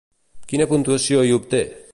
Quina puntuació hi obté?